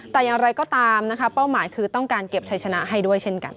แต่อย่างไรก็ตามนะคะเป้าหมายคือต้องการเก็บชัยชนะให้ด้วยเช่นกัน